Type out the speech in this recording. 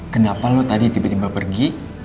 kenapa lo tadi tiba tiba pergi